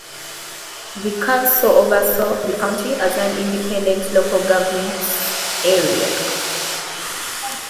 The Council oversaw the county as an independent local government area.